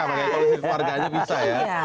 kalau keluarganya bisa ya